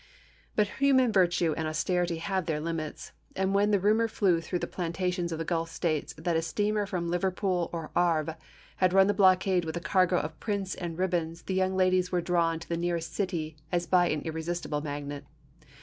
But human virtue and austerity have their limits; and when the rumor flew through the plantations of the Gulf States that a steamer from Liverpool or Havre had run the blockade with a cargo of prints and ribbons the young ladies were drawn to the nearest city as by an irresistible magnet.